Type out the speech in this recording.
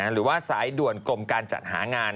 หรือว่าสายด่วนกรมการจัดหางาน